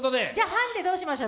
ハンデどうしましょう？